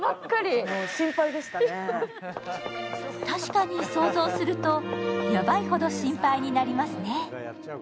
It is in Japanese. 確かに、想像するとヤバイほど心配になりますね。